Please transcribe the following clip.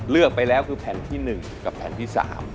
เลือกไปแล้วคือแผ่นที่๑กับแผ่นที่๓